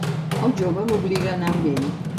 El jove l'obliga a anar amb ell.